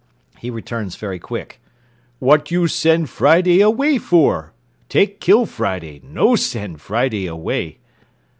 He returns very quick—"What you send Friday away for? Take kill Friday, no send Friday away."